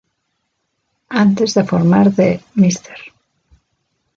Antes de formar The Mr.